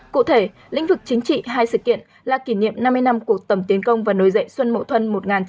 cụ thể lĩnh vực chính trị hai sự kiện là kỷ niệm năm mươi năm cuộc tầm tiến công và nối dậy xuân mộ thuân một nghìn chín trăm sáu mươi tám